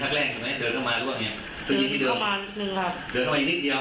ครับ